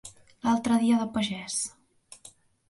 L'altre dia de pagès.